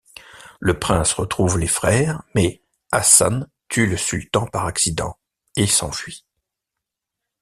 Le Prince retrouve les frères, mais Assan tue le sultan par accident et s'enfuit.